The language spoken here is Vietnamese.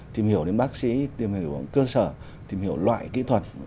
tìm hiểu đến bác sĩ tìm hiểu cơ sở tìm hiểu loại kỹ thuật